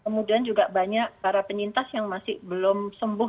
kemudian juga banyak para penyintas yang masih belum sembuh